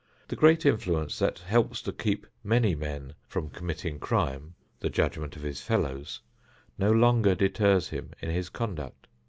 The great influence that helps to keep many men from committing crime the judgment of his fellows no longer deters him in his conduct.